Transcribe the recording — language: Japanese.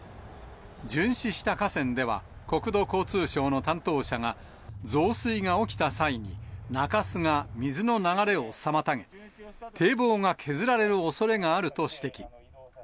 巡視した河川では、国土交通省の担当者が、増水が起きた際に、中州が水の流れを妨げ、堤防が削られるおそれがあると指摘。